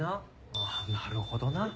あぁなるほどな。